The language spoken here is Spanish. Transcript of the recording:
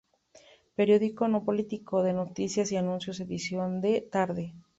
Periódico no político, de noticias y anuncios, Edición de tarde".